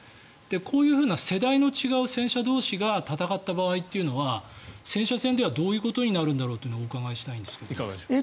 こういう世代の違う戦車が戦った場合は戦車戦ではどういうことになるんだろうというのをお伺いしたいんですが。